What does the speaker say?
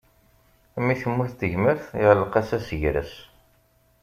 Mi temmut tegmert, iɛalleq-as asegres.